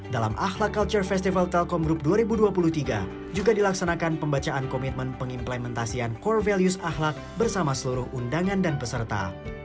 dalam ahlak culture festival telkom group dua ribu dua puluh tiga juga dilaksanakan pembacaan komitmen pengimplementasian core values ahlak bersama seluruh undangan dan peserta